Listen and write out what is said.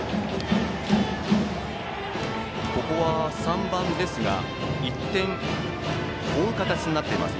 ここは３番ですが１点追う形になっています。